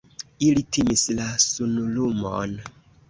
Ili timis la sunlumon.